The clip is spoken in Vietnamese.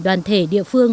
đoàn thể địa phương